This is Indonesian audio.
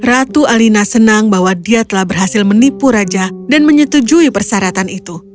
ratu alina senang bahwa dia telah berhasil menipu raja dan menyetujui persyaratan itu